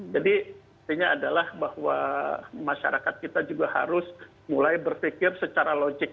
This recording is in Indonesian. jadi artinya adalah bahwa masyarakat kita juga harus mulai berpikir secara logik